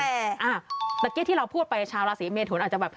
แต่เมื่อกี้ที่เราพูดไปชาวราศีเมทุนอาจจะแบบ